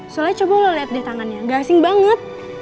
soalnya coba lo liat deh tangannya gasing banget